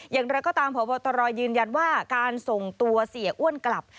อย่างไรก็ตามพบตรยืนยันว่าการส่งตัวเสียอ้วนกลับ